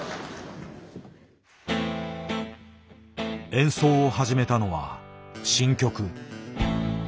演奏を始めたのは新曲。